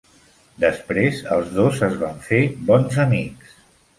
Després, els dos es van fer bons amics.